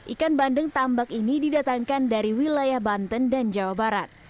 ikan bandeng tambak ini didatangkan dari wilayah banten dan jawa barat